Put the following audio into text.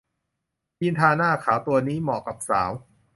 ครีมทาหน้าขาวตัวนี้เหมาะกับสาว